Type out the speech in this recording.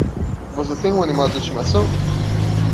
Você tem um animal de estimação?